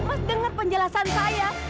mas dengar penjelasan saya